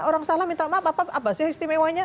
orang salah minta maaf apa sih istimewanya